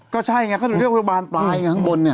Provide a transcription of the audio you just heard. เขาได้เรียกว่าบานปลายมั้ย